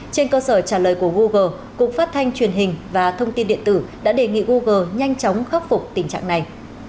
trên cơ sở trả lời của google cục phát thanh truyền hình và thông tin điện tử đã đề nghị google nhanh chóng khắc phục tình trạng này